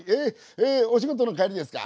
えお仕事の帰りですか？